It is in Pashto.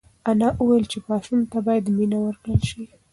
انا وویل چې ماشوم ته باید مینه ورکړل شي.